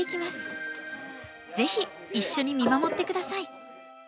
ぜひ一緒に見守って下さい。